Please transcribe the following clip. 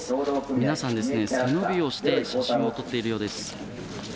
皆さん、背伸びをして写真を撮っているようです。